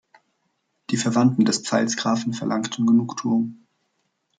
Die Verwandten des Pfalzgrafen verlangten Genugtuung.